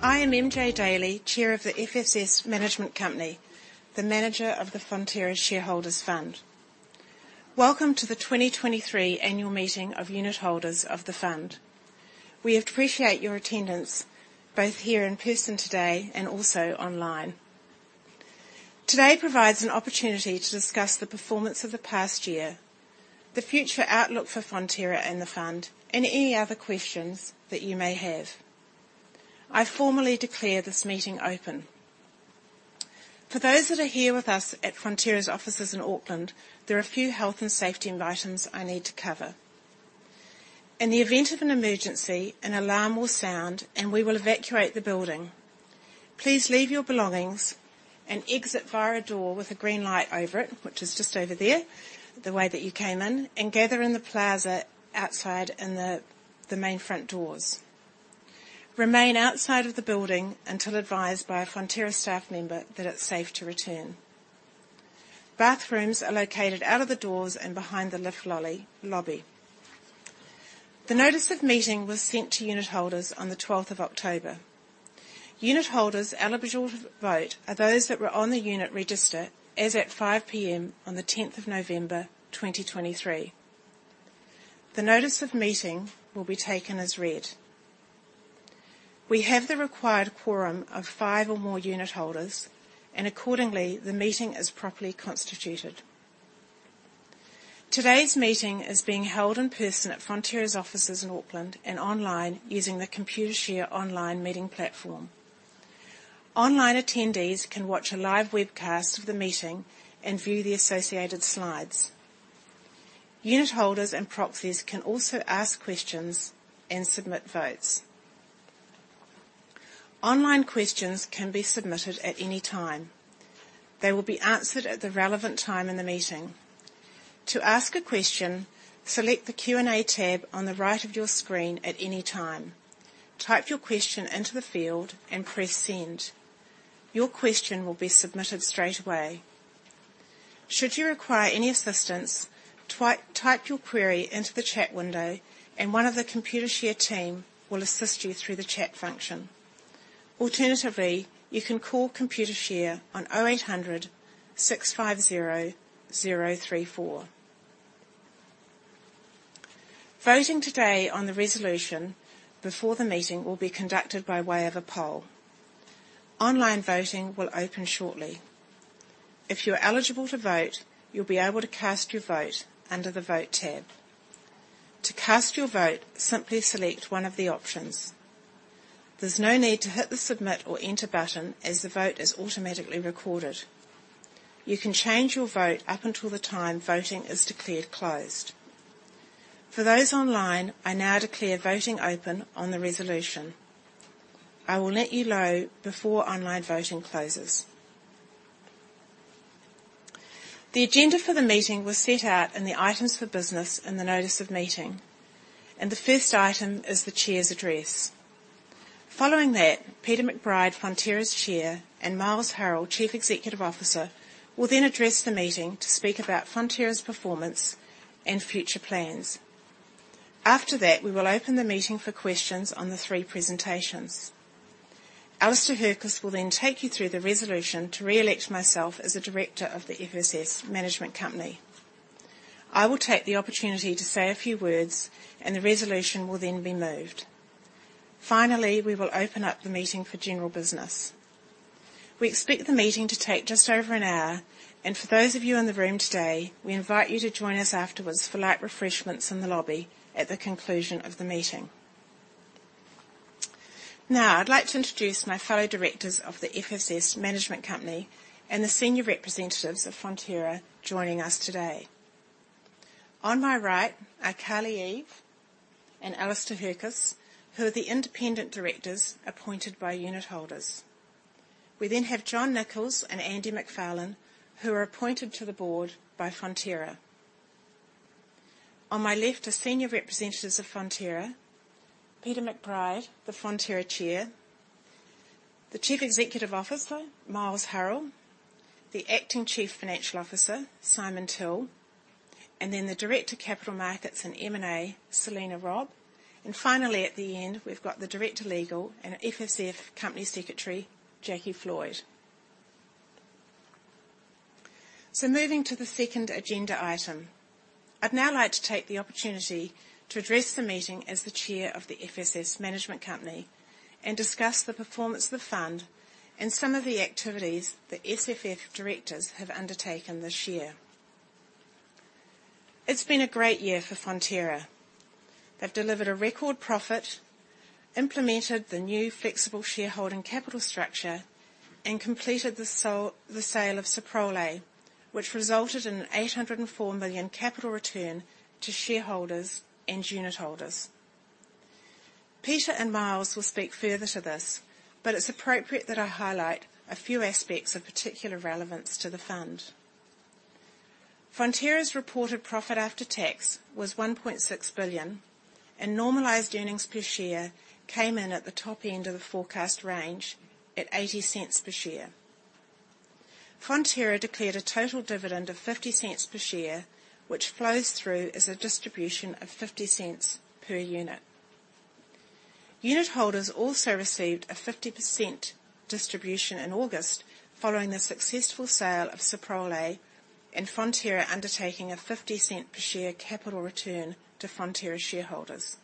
I am MJ Daly, Chair of the FSF Management Company, the manager of the Fonterra Shareholders' Fund. Welcome to the 2023 Annual Meeting of Unitholders of the Fund. We appreciate your attendance, both here in person today and also online. Today provides an opportunity to discuss the performance of the past year, the future outlook for Fonterra and the Fund, and any other questions that you may have. I formally declare this meeting open. For those that are here with us at Fonterra's offices in Auckland, there are a few health and safety items I need to cover. In the event of an emergency, an alarm will sound, and we will evacuate the building. Please leave your belongings and exit via a door with a green light over it, which is just over there, the way that you came in, and gather in the plaza outside in the main front doors. Remain outside of the building until advised by a Fonterra staff member that it's safe to return. Bathrooms are located out of the doors and behind the lift lobby. The notice of meeting was sent to unitholders on the 12th of October. Unitholders eligible to vote are those that were on the unit register as at 5PM on the 10th of November, 2023. The notice of meeting will be taken as read. We have the required quorum of five or more unitholders, and accordingly, the meeting is properly constituted. Today's meeting is being held in person at Fonterra's offices in Auckland and online using the Computershare online meeting platform. Online attendees can watch a live webcast of the meeting and view the associated slides. Unitholders and proxies can also ask questions and submit votes. Online questions can be submitted at any time. They will be answered at the relevant time in the meeting. To ask a question, select the Q&A tab on the right of your screen at any time. Type your question into the field and press Send. Your question will be submitted straight away. Should you require any assistance, type your query into the chat window, and one of the Computershare team will assist you through the chat function. Alternatively, you can call Computershare on 0800 650 034. Voting today on the resolution before the meeting will be conducted by way of a poll. Online voting will open shortly. If you're eligible to vote, you'll be able to cast your vote under the Vote tab. To cast your vote, simply select one of the options. There's no need to hit the Submit or Enter button as the vote is automatically recorded. You can change your vote up until the time voting is declared closed. For those online, I now declare voting open on the resolution. I will let you know before online voting closes. The agenda for the meeting was set out in the items for business in the notice of meeting, and the first item is the chair's address. Following that, Peter McBride, Fonterra's Chair, and Miles Hurrell, Chief Executive Officer, will then address the meeting to speak about Fonterra's performance and future plans. After that, we will open the meeting for questions on the three presentations. Alastair Hercus will then take you through the resolution to re-elect myself as a director of the FSF Management Company. I will take the opportunity to say a few words, and the resolution will then be moved. Finally, we will open up the meeting for general business. We expect the meeting to take just over an hour, and for those of you in the room today, we invite you to join us afterwards for light refreshments in the lobby at the conclusion of the meeting. Now, I'd like to introduce my fellow directors of the FSF Management Company and the senior representatives of Fonterra joining us today. On my right are Carlie Eve and Alastair Hercus, who are the independent directors appointed by unitholders. We then have John Nicholls and Andy MacFarlane, who are appointed to the board by Fonterra. On my left are senior representatives of Fonterra, Peter McBride, the Fonterra Chair; the Chief Executive Officer, Miles Hurrell; the Acting Chief Financial Officer, Simon Till; and then the Director Capital Markets and M&A, Selena Robb. And finally, at the end, we've got the Director Legal and FSF Company Secretary, Jackie Floyd. So moving to the second agenda item, I'd now like to take the opportunity to address the meeting as the Chair of the FSF Management Company and discuss the performance of the Fund and some of the activities the FSF directors have undertaken this year. It's been a great year for Fonterra. They've delivered a record profit, implemented the new flexible shareholding capital structure, and completed the sale of Soprole, which resulted in an 804 million capital return to shareholders and unitholders. Peter and Miles will speak further to this, but it's appropriate that I highlight a few aspects of particular relevance to the Fund. Fonterra's reported profit after tax was 1.6 billion, and normalized earnings per share came in at the top end of the forecast range at 0.80 per share. Fonterra declared a total dividend of 0.50 per share, which flows through as a distribution of 0.50 per unit. Unitholders also received a 50% distribution in August, following the successful sale of Soprole, and Fonterra undertaking a 0.50 per share capital return to Fonterra shareholders.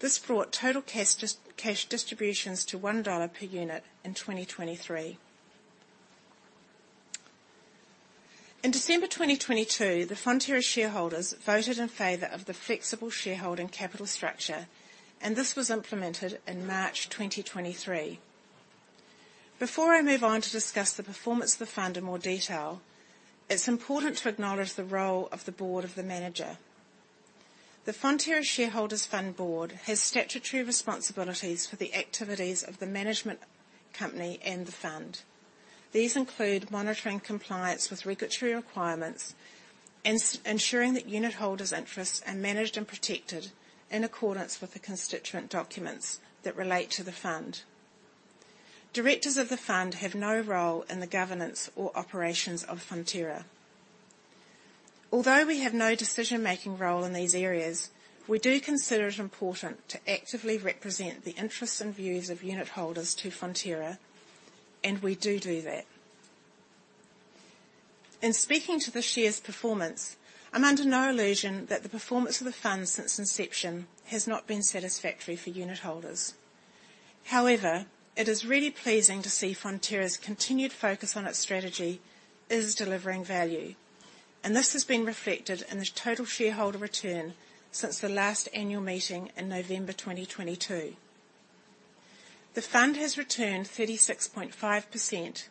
This brought total cash distributions to 1 dollar per unit in 2023. In December 2022, the Fonterra shareholders voted in favor of the flexible shareholding capital structure, and this was implemented in March 2023. Before I move on to discuss the performance of the fund in more detail, it's important to acknowledge the role of the board of the manager. The Fonterra Shareholders' Fund board has statutory responsibilities for the activities of the management company and the fund. These include monitoring compliance with regulatory requirements, ensuring that unitholders' interests are managed and protected in accordance with the constituent documents that relate to the fund. Directors of the fund have no role in the governance or operations of Fonterra. Although we have no decision-making role in these areas, we do consider it important to actively represent the interests and views of unitholders to Fonterra, and we do do that. In speaking to the share's performance, I'm under no illusion that the performance of the fund since inception has not been satisfactory for unitholders. However, it is really pleasing to see Fonterra's continued focus on its strategy is delivering value, and this has been reflected in the total shareholder return since the last annual meeting in November 2022. The fund has returned 36.5%,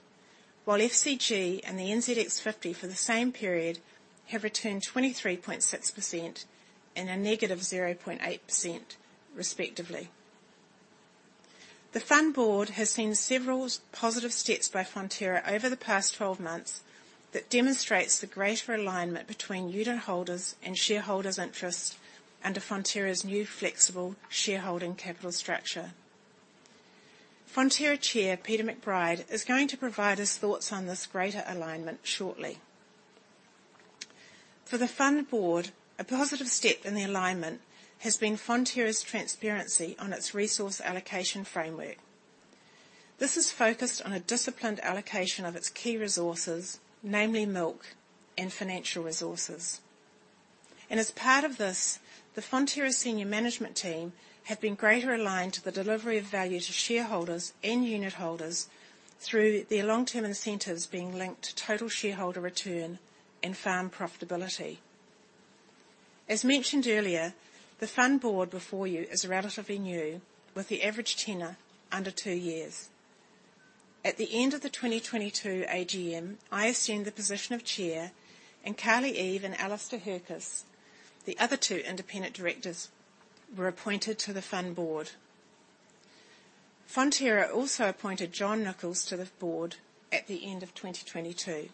while FCG and the NZX 50, for the same period, have returned 23.6% and a negative 0.8% respectively. The fund board has seen several positive steps by Fonterra over the past 12 months that demonstrates the greater alignment between unitholders' and shareholders' interests under Fonterra's new flexible shareholding capital structure. Fonterra Chair Peter McBride is going to provide his thoughts on this greater alignment shortly. For the fund board, a positive step in the alignment has been Fonterra's transparency on its resource allocation framework. This is focused on a disciplined allocation of its key resources, namely milk and financial resources. As part of this, the Fonterra senior management team have been greater aligned to the delivery of value to shareholders and unitholders through their long-term incentives being linked to total shareholder return and farm profitability. As mentioned earlier, the fund board before you is relatively new, with the average tenure under two years. At the end of the 2022 AGM, I assumed the position of Chair, and Carlie Eve and Alastair Hercus, the other two Independent Directors, were appointed to the fund board. Fonterra also appointed John Nicholls to the board at the end of 2022.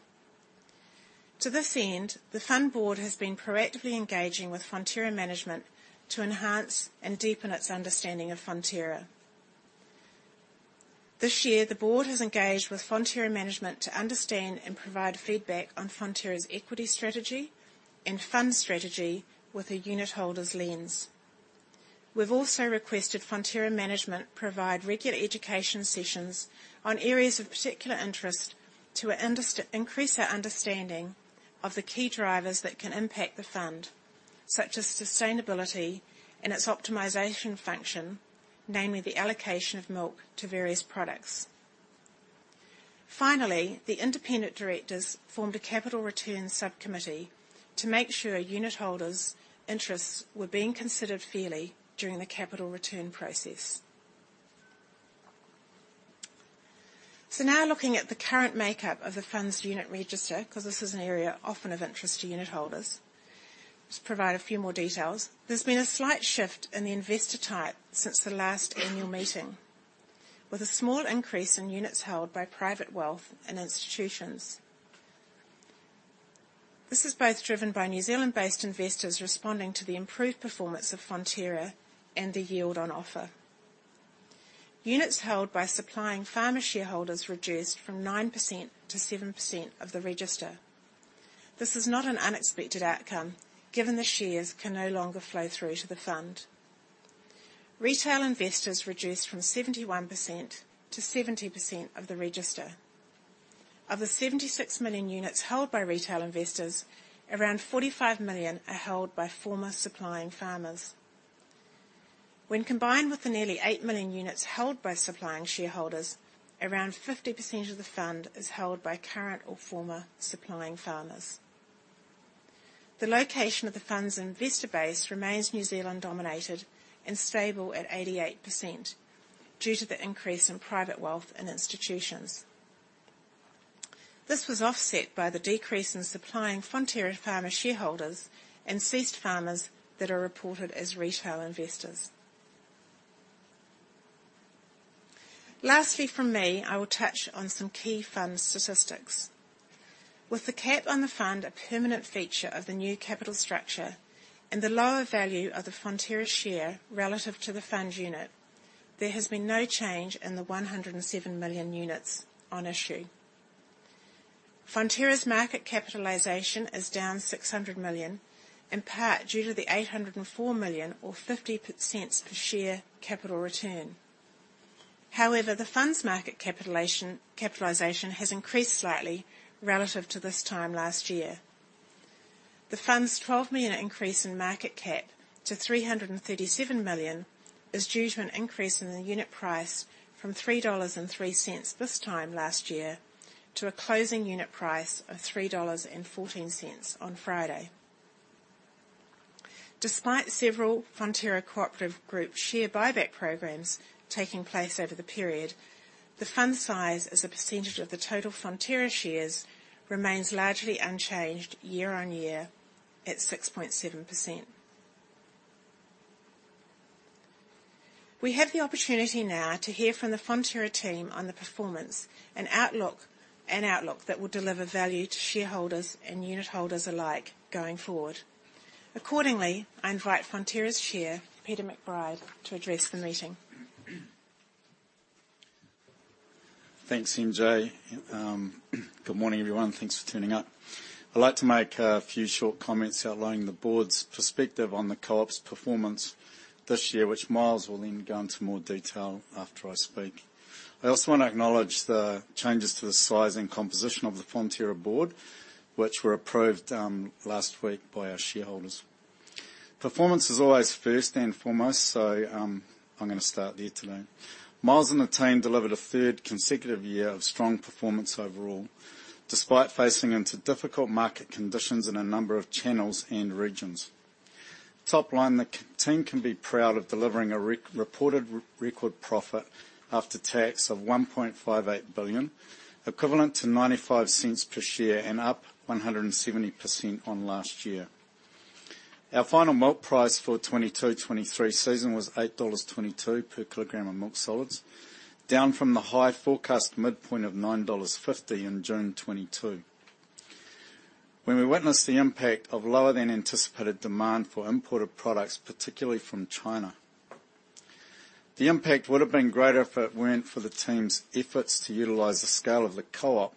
To this end, the fund board has been proactively engaging with Fonterra management to enhance and deepen its understanding of Fonterra. This year, the board has engaged with Fonterra management to understand and provide feedback on Fonterra's equity strategy and fund strategy with a unitholder's lens. We've also requested Fonterra management provide regular education sessions on areas of particular interest to increase our understanding of the key drivers that can impact the fund, such as sustainability and its optimization function, namely the allocation of milk to various products. Finally, the independent directors formed a capital return subcommittee to make sure unitholders' interests were being considered fairly during the capital return process. So now looking at the current makeup of the fund's unit register, 'cause this is an area often of interest to unitholders. To provide a few more details, there's been a slight shift in the investor type since the last annual meeting, with a small increase in units held by private wealth and institutions. This is both driven by New Zealand-based investors responding to the improved performance of Fonterra and the yield on offer. Units held by supplying farmer shareholders reduced from 9% to 7% of the register. This is not an unexpected outcome, given the shares can no longer flow through to the fund. Retail investors reduced from 71% to 70% of the register. Of the 76 million units held by retail investors, around 45 million are held by former supplying farmers. When combined with the nearly 8 million units held by supplying shareholders, around 50% of the fund is held by current or former supplying farmers. The location of the fund's investor base remains New Zealand dominated and stable at 88% due to the increase in private wealth in institutions. This was offset by the decrease in supplying Fonterra farmer shareholders and ceased farmers that are reported as retail investors. Lastly, from me, I will touch on some key fund statistics. With the cap on the fund a permanent feature of the new capital structure and the lower value of the Fonterra share relative to the fund unit, there has been no change in the 107 million units on issue. Fonterra's market capitalization is down 600 million, in part due to the 804 million or 50% per share capital return. However, the fund's market capitalization has increased slightly relative to this time last year. The fund's 12 million increase in market cap to 337 million is due to an increase in the unit price from NZD 3.03 this time last year to a closing unit price of NZD 3.14 on Friday. Despite several Fonterra Co-operative Group share buyback programs taking place over the period, the fund size as a percentage of the total Fonterra shares, remains largely unchanged year-on-year at 6.7%. We have the opportunity now to hear from the Fonterra team on the performance and outlook, an outlook that will deliver value to shareholders and unitholders alike going forward. Accordingly, I invite Fonterra's Chair, Peter McBride, to address the meeting. Thanks, MJ. Good morning, everyone. Thanks for turning up. I'd like to make a few short comments outlining the board's perspective on the co-op's performance this year, which Miles will then go into more detail after I speak. I also want to acknowledge the changes to the size and composition of the Fonterra board, which were approved last week by our shareholders. Performance is always first and foremost, so I'm gonna start there today. Miles and the team delivered a third consecutive year of strong performance overall, despite facing into difficult market conditions in a number of channels and regions. Top line, the team can be proud of delivering a reported record profit after tax of 1.58 billion, equivalent to 0.95 per share and up 170% on last year. Our final milk price for 2022 to 2023 season was NZD 8.22 per kilogram of milk solids, down from the high forecast midpoint of NZD 9.50 in June 2022. When we witnessed the impact of lower than anticipated demand for imported products, particularly from China, the impact would have been greater if it weren't for the team's efforts to utilize the scale of the co-op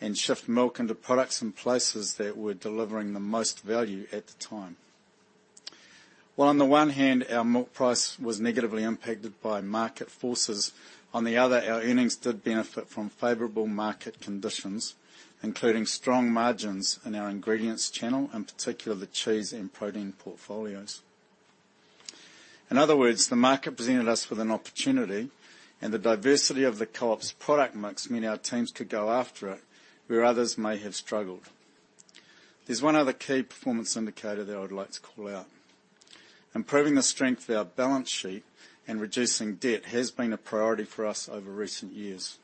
and shift milk into products and places that were delivering the most value at the time. While on the one hand, our milk price was negatively impacted by market forces, on the other, our earnings did benefit from favorable market conditions, including strong margins in our ingredients channel, in particular the cheese and protein portfolios. In other words, the market presented us with an opportunity, and the diversity of the co-op's product mix meant our teams could go after it, where others may have struggled. There's one other key performance indicator that I would like to call out. Improving the strength of our balance sheet and reducing debt has been a priority for us over recent years.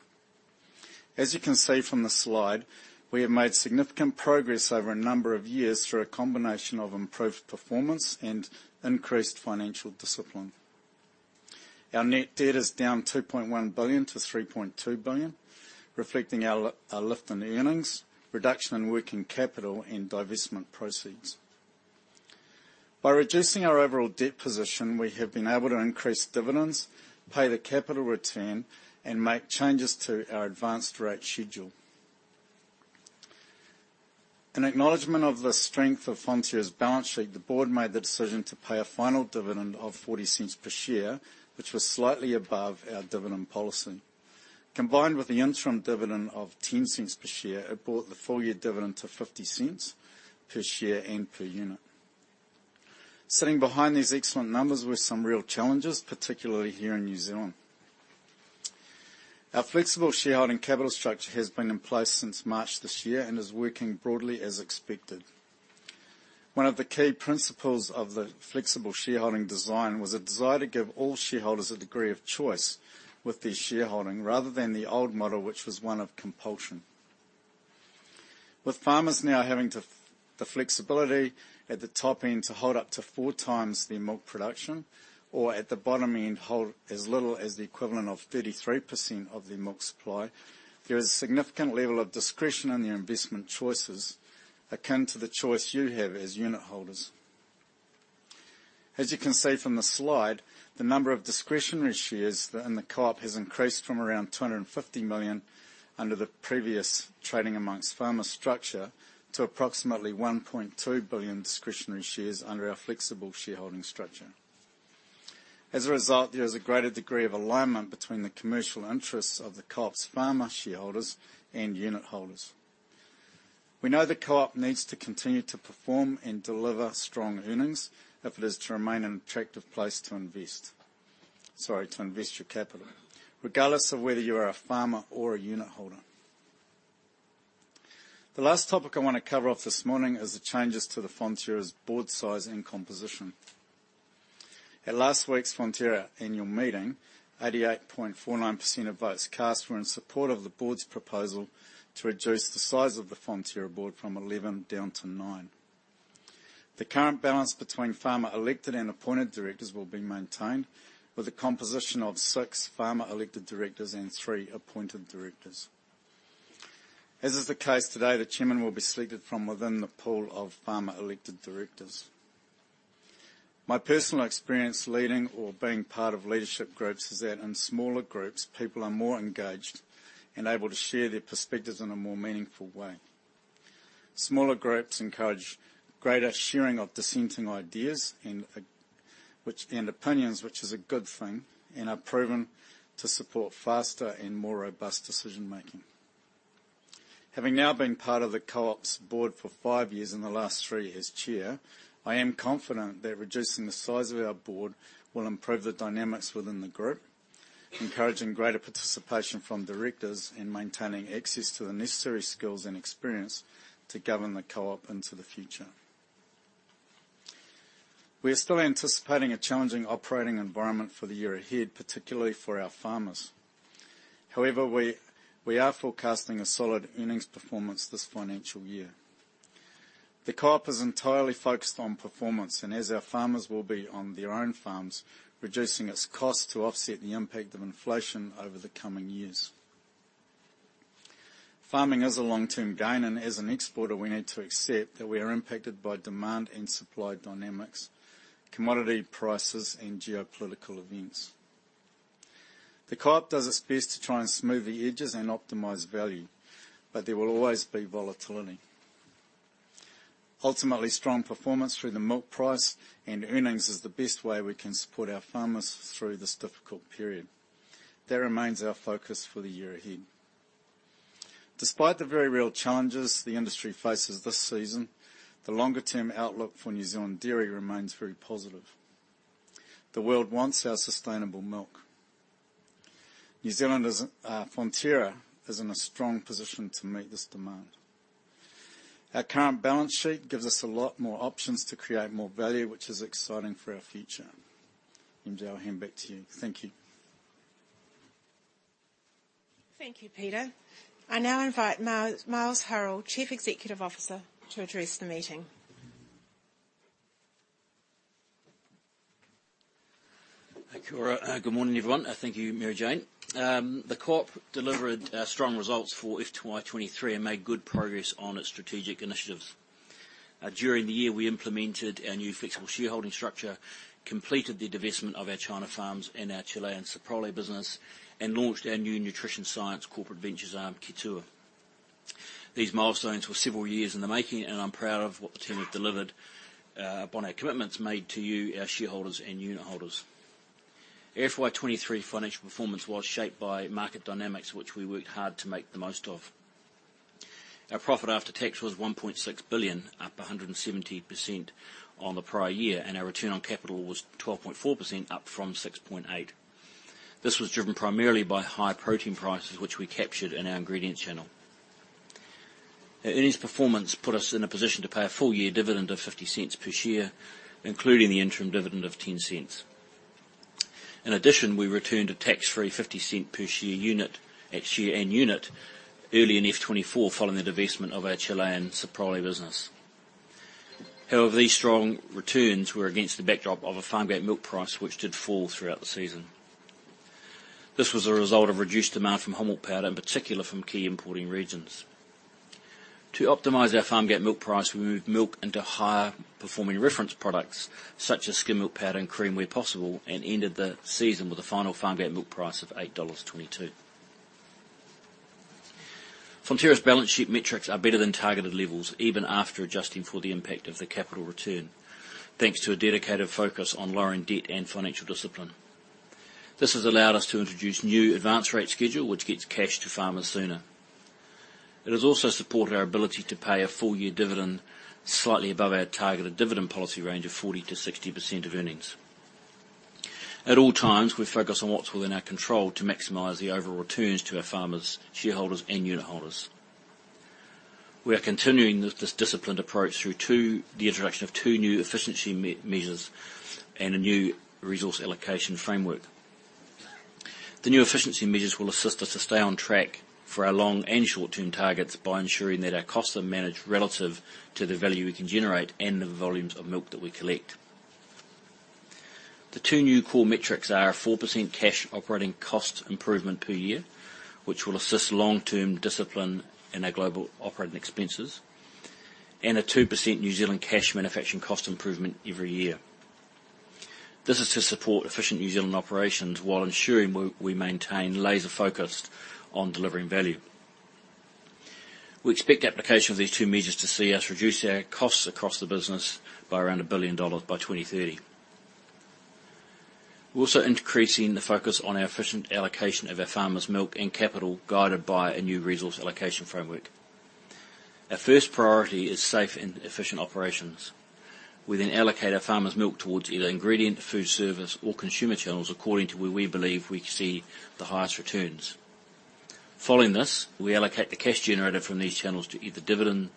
As you can see from the slide, we have made significant progress over a number of years through a combination of improved performance and increased financial discipline. Our net debt is down 2.1 billion to 3.2 billion, reflecting our our lift in earnings, reduction in working capital, and divestment proceeds. By reducing our overall debt position, we have been able to increase dividends, pay the capital return, and make changes to our advanced rate schedule. An acknowledgment of the strength of Fonterra's balance sheet, the board made the decision to pay a final dividend of 0.40 per share, which was slightly above our dividend policy. Combined with the interim dividend of 0.10 per share, it brought the full-year dividend to 0.50 per share and per unit. Sitting behind these excellent numbers were some real challenges, particularly here in New Zealand. Our flexible shareholding capital structure has been in place since March this year and is working broadly as expected. One of the key principles of the flexible shareholding design was a desire to give all shareholders a degree of choice with their shareholding, rather than the old model, which was one of compulsion. With farmers now having the flexibility at the top end to hold up to four times their milk production, or at the bottom end, hold as little as the equivalent of 33% of their milk supply, there is a significant level of discretion in the investment choices, akin to the choice you have as unitholders. As you can see from the slide, the number of discretionary shares in the co-op has increased from around 250 million under the previous Trading Among Farmers structure, to approximately 1.2 billion discretionary shares under our flexible shareholding structure. As a result, there is a greater degree of alignment between the commercial interests of the co-op's farmer shareholders and unitholders. We know the co-op needs to continue to perform and deliver strong earnings if it is to remain an attractive place to invest, sorry, to invest your capital, regardless of whether you are a farmer or a unitholder. The last topic I want to cover off this morning is the changes to the Fonterra's board size and composition. At last week's Fonterra annual meeting, 88.49% of votes cast were in support of the board's proposal to reduce the size of the Fonterra board from 11 down to nine. The current balance between farmer-elected and appointed directors will be maintained, with a composition of six farmer-elected directors and three appointed directors. As is the case today, the chairman will be selected from within the pool of farmer-elected directors. My personal experience leading or being part of leadership groups is that in smaller groups, people are more engaged and able to share their perspectives in a more meaningful way. Smaller groups encourage greater sharing of dissenting ideas and opinions, which is a good thing, and are proven to support faster and more robust decision-making. Having now been part of the co-op's board for five years, and the last three as chair, I am confident that reducing the size of our board will improve the dynamics within the group, encouraging greater participation from directors and maintaining access to the necessary skills and experience to govern the co-op into the future. We are still anticipating a challenging operating environment for the year ahead, particularly for our farmers. However, we are forecasting a solid earnings performance this financial year. The co-op is entirely focused on performance, and as our farmers will be on their own farms, reducing its costs to offset the impact of inflation over the coming years. Farming is a long-term gain, and as an exporter, we need to accept that we are impacted by demand and supply dynamics, commodity prices, and geopolitical events. The co-op does its best to try and smooth the edges and optimize value, but there will always be volatility. Ultimately, strong performance through the milk price and earnings is the best way we can support our farmers through this difficult period. That remains our focus for the year ahead. Despite the very real challenges the industry faces this season, the longer term outlook for New Zealand dairy remains very positive. The world wants our sustainable milk. New Zealand is, Fonterra is in a strong position to meet this demand. Our current balance sheet gives us a lot more options to create more value, which is exciting for our future. MJ, I'll hand back to you. Thank you. Thank you, Peter. I now invite Miles Hurrell, Chief Executive Officer, to address the meeting. Thank you. Good morning, everyone. Thank you, Mary Jane. The co-op delivered strong results for FY 2023 and made good progress on its strategic initiatives. During the year, we implemented our new flexible shareholding structure, completed the divestment of our China farms and our Chilean Soprole business, and launched our new nutrition science corporate ventures arm, Kitua. These milestones were several years in the making, and I'm proud of what the team have delivered upon our commitments made to you, our shareholders and unitholders. FY 2023 financial performance was shaped by market dynamics, which we worked hard to make the most of. Our profit after tax was 1.6 billion, up 170% on the prior year, and our return on capital was 12.4%, up from 6.8%. This was driven primarily by high protein prices, which we captured in our ingredient channel. Our earnings performance put us in a position to pay a full year dividend of 0.50 per share, including the interim dividend of 0.10. In addition, we returned a tax-free 50 per share unit, share and unit, early in FY 2024, following the divestment of our Chilean Soprole business. However, these strong returns were against the backdrop of a farm gate milk price, which did fall throughout the season. This was a result of reduced demand from whole milk powder, in particular from key importing regions. To optimize our farm gate milk price, we moved milk into higher performing reference products, such as skim milk powder and cream, where possible, and ended the season with a final farm gate milk price of 8.22 dollars. Fonterra's balance sheet metrics are better than targeted levels, even after adjusting for the impact of the capital return, thanks to a dedicated focus on lowering debt and financial discipline. This has allowed us to introduce new advance rate schedule, which gets cash to farmers sooner. It has also supported our ability to pay a full year dividend, slightly above our targeted dividend policy range of 40% to 60% of earnings. At all times, we focus on what's within our control to maximize the overall returns to our farmers, shareholders, and unitholders. We are continuing this disciplined approach through the introduction of two new efficiency measures and a new resource allocation framework. The new efficiency measures will assist us to stay on track for our long and short-term targets by ensuring that our costs are managed relative to the value we can generate and the volumes of milk that we collect. The two new core metrics are a 4% cash operating cost improvement per year, which will assist long-term discipline in our global operating expenses, and a 2% New Zealand cash manufacturing cost improvement every year. This is to support efficient New Zealand operations while ensuring we maintain laser focus on delivering value. We expect the application of these two measures to see us reduce our costs across the business by around 1 billion dollars by 2030. We're also increasing the focus on our efficient allocation of our farmers' milk and capital, guided by a new resource allocation framework. Our first priority is safe and efficient operations. We then allocate our farmers' milk towards either ingredient, food service, or consumer channels, according to where we believe we can see the highest returns. Following this, we allocate the cash generated from these channels to either dividend,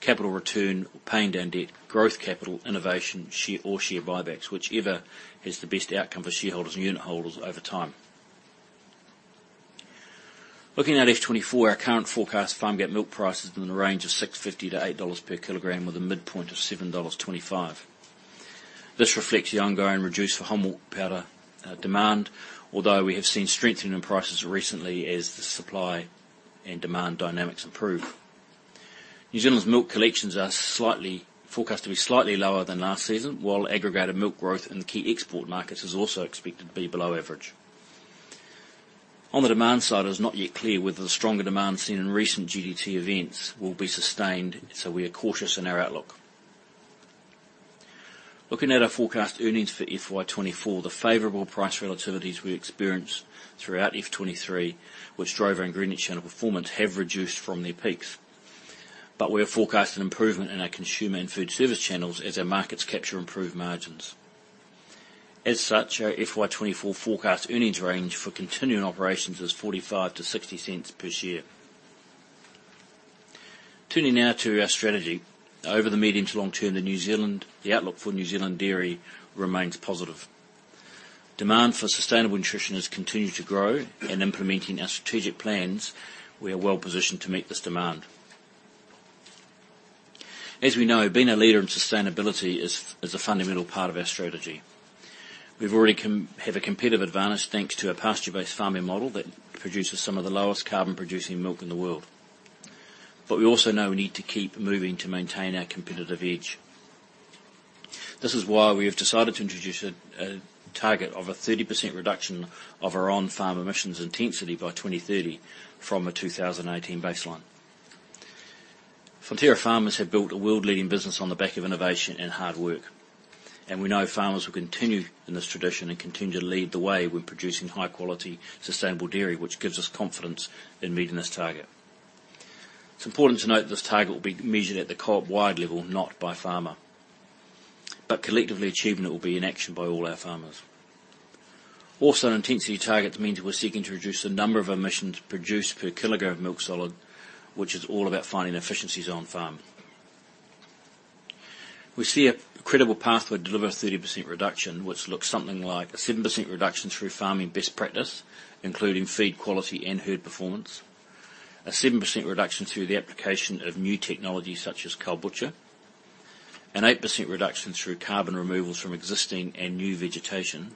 capital return, or paying down debt, growth capital, innovation, share, or share buybacks, whichever has the best outcome for shareholders and unitholders over time. Looking at FY 2024, our current forecast farm gate milk price is in the range of 6.50 to 8 per kilogram, with a midpoint of 7.25 dollars. This reflects the ongoing reduced whole milk powder demand, although we have seen strengthening in prices recently as the supply and demand dynamics improve. New Zealand's milk collections are forecast to be slightly lower than last season, while aggregated milk growth in the key export markets is also expected to be below average. On the demand side, it's not yet clear whether the stronger demand seen in recent GDT events will be sustained, so we are cautious in our outlook. Looking at our forecast earnings for FY 2024, the favorable price relativities we experienced throughout FY 2023, which drove our ingredients channel performance, have reduced from their peaks. But we have forecasted an improvement in our consumer and food service channels as our markets capture improved margins. As such, our FY 2024 forecast earnings range for continuing operations is 0.45 to 0.60 per share. Turning now to our strategy. Over the medium to long term, the New Zealand, the outlook for New Zealand dairy remains positive. Demand for sustainable nutrition has continued to grow, and implementing our strategic plans, we are well positioned to meet this demand. As we know, being a leader in sustainability is a fundamental part of our strategy. We've already have a competitive advantage, thanks to our pasture-based farming model that produces some of the lowest carbon-producing milk in the world. But we also know we need to keep moving to maintain our competitive edge. This is why we have decided to introduce a target of a 30% reduction of our on-farm emissions intensity by 2030, from a 2018 baseline. Fonterra farmers have built a world-leading business on the back of innovation and hard work, and we know farmers will continue in this tradition and continue to lead the way when producing high-quality, sustainable dairy, which gives us confidence in meeting this target. It's important to note that this target will be measured at the co-op wide level, not by farmer. But collectively, achieving it will be an action by all our farmers. Also, an intensity target means we're seeking to reduce the number of emissions produced per kilogram of milk solids, which is all about finding efficiencies on-farm. We see a credible path to deliver a 30% reduction, which looks something like a 7% reduction through farming best practice, including feed quality and herd performance. A 7% reduction through the application of new technologies, such as Kowbucha. An 8% reduction through carbon removals from existing and new vegetation,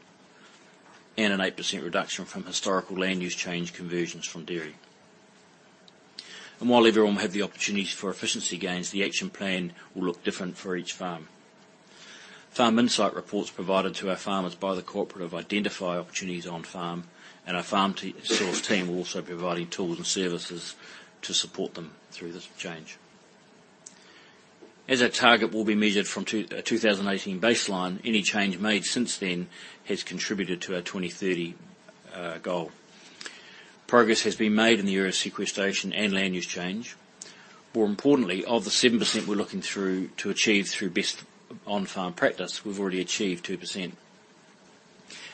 and an 8% reduction from historical land use change conversions from dairy. And while everyone will have the opportunity for efficiency gains, the action plan will look different for each farm. Farm insight reports provided to our farmers by the cooperative identify opportunities on-farm, and our Farm Source team will also be providing tools and services to support them through this change. As our target will be measured from 2018 baseline, any change made since then has contributed to our 2030 goal. Progress has been made in the area of sequestration and land use change. More importantly, of the 7% we're looking through to achieve through best on-farm practice, we've already achieved 2%.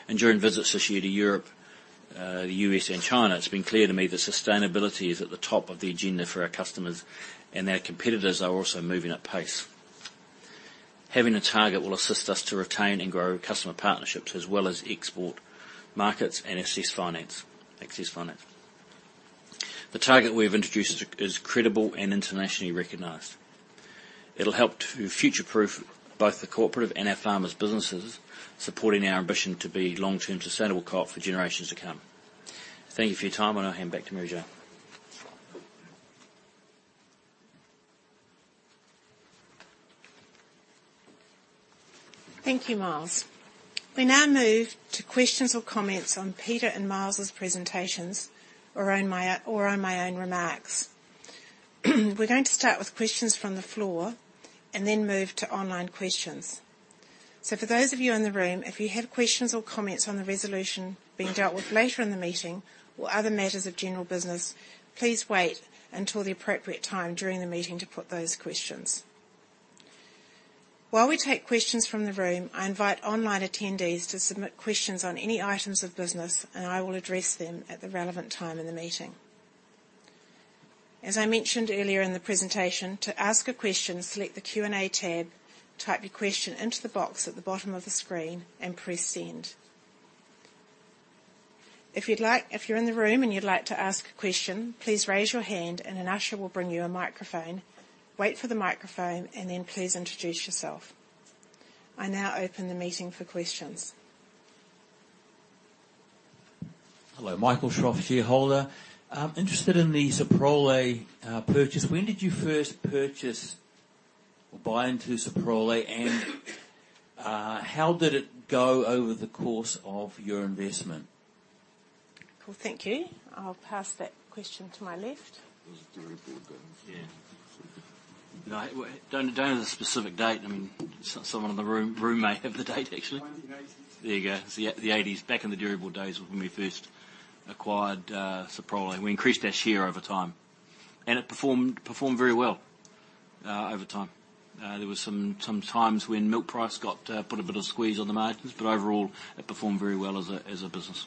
And during visits this year to Europe, the US, and China, it's been clear to me that sustainability is at the top of the agenda for our customers, and our competitors are also moving at pace. Having a target will assist us to retain and grow customer partnerships, as well as export markets and access finance. The target we've introduced is credible and internationally recognized. It'll help to future-proof both the cooperative and our farmers' businesses, supporting our ambition to be a long-term sustainable co-op for generations to come. Thank you for your time, and I'll hand back to Mary Jane. Thank you, Miles. We now move to questions or comments on Peter and Miles's presentations, or on my own remarks. We're going to start with questions from the floor and then move to online questions. So for those of you in the room, if you have questions or comments on the resolution being dealt with later in the meeting or other matters of general business, please wait until the appropriate time during the meeting to put those questions. While we take questions from the room, I invite online attendees to submit questions on any items of business, and I will address them at the relevant time in the meeting. As I mentioned earlier in the presentation, to ask a question, select the Q&A tab, type your question into the box at the bottom of the screen, and press send. If you're in the room and you'd like to ask a question, please raise your hand and an usher will bring you a microphone. Wait for the microphone, and then please introduce yourself. I now open the meeting for questions. Hello, Michael Shroff, shareholder. Interested in the Soprole purchase. When did you first purchase or buy into Soprole, and how did it go over the course of your investment? Well, thank you. I'll pass that question to my left. It was durable then. Yeah. No, I don't have a specific date. I mean, someone in the room may have the date, actually. 1980. There you go. It's the 80's. Back in the turbulent days was when we first acquired Soprole. We increased our share over time, and it performed very well over time. There were some times when milk price got put a bit of squeeze on the margins, but overall, it performed very well as a business.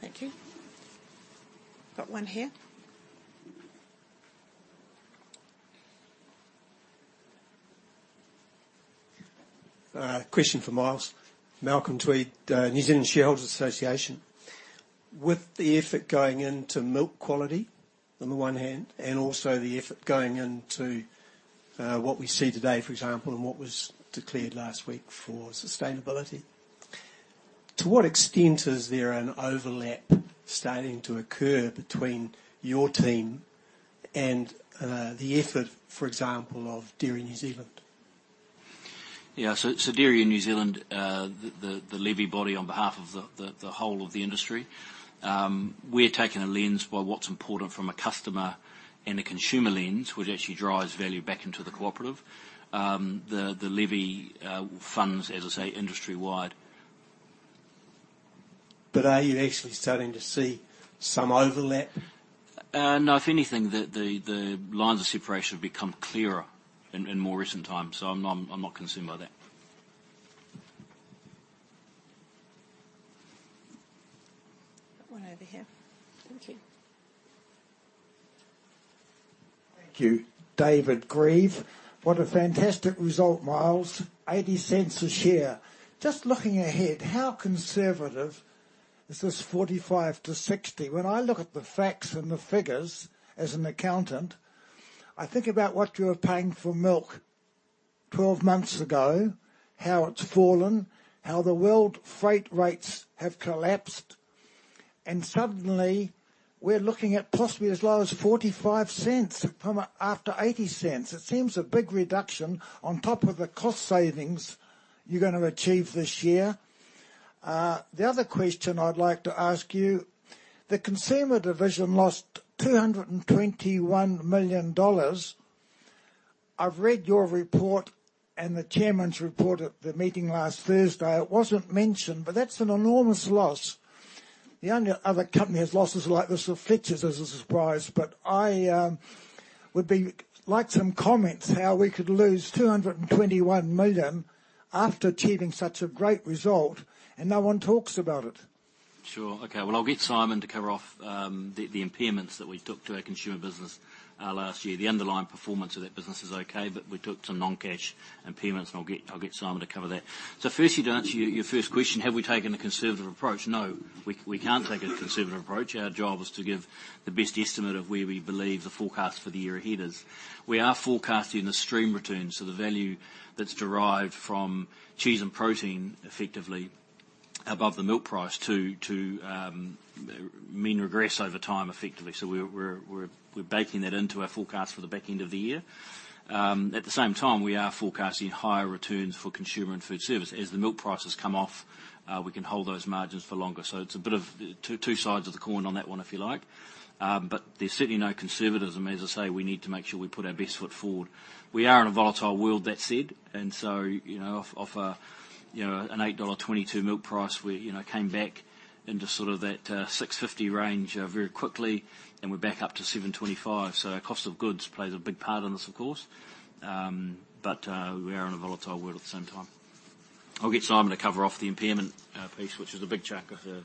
Thank you. Got one here. Question for Miles. Malcolm Tweed, New Zealand Shareholders Association. With the effort going into milk quality on the one hand, and also the effort going into, what we see today, for example, and what was declared last week for sustainability, to what extent is there an overlap starting to occur between your team and, the effort, for example, of Dairy New Zealand? Yeah, so Dairy in New Zealand, the levy body on behalf of the whole of the industry, we're taking a lens by what's important from a customer and a consumer lens, which actually drives value back into the cooperative. The levy funds, as I say, industry-wide. Are you actually starting to see some overlap? No. If anything, the lines of separation have become clearer in more recent times, so I'm not concerned by that. Got one over here. Thank you. Thank you. David Grieve. What a fantastic result, Miles 0.80 a share. Just looking ahead, how conservative is this 45 to 60? When I look at the facts and the figures, as an accountant, I think about what you were paying for milk 12 months ago, how it's fallen, how the world freight rates have collapsed, and suddenly we're looking at possibly as low as 0.45 from a, after 0.80. It seems a big reduction on top of the cost savings you're gonna achieve this year. The other question I'd like to ask you: the consumer division lost 221 million dollars. I've read your report and the chairman's report at the meeting last Thursday. It wasn't mentioned, but that's an enormous loss. The only other company has losses like this with Fletchers, as a surprise, but I would be... Like some comments, how we could lose 221 million after achieving such a great result, and no one talks about it. Sure. Okay, well, I'll get Simon to cover off the impairments that we took to our consumer business last year. The underlying performance of that business is okay, but we took some non-cash impairments, and I'll get Simon to cover that. So firstly, to answer your first question, have we taken a conservative approach? No, we can't take a conservative approach. Our job is to give the best estimate of where we believe the forecast for the year ahead is. We are forecasting the stream returns, so the value that's derived from cheese and protein effectively above the milk price to mean regress over time, effectively. So we're baking that into our forecast for the back end of the year. At the same time, we are forecasting higher returns for consumer and food service. As the milk prices come off, we can hold those margins for longer. So it's a bit of two sides of the coin on that one, if you like. But there's certainly no conservatism. As I say, we need to make sure we put our best foot forward. We are in a volatile world, that said, and so, you know, off a, you know, an 8.22 dollar milk price, we, you know, came back into sort of that 6.50 range very quickly, and we're back up to 7.25. So our cost of goods plays a big part in this, of course. But we are in a volatile world at the same time. I'll get Simon to cover off the impairment piece, which is a big chunk of the-